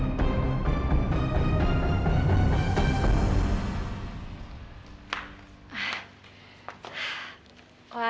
ya ampun om hadi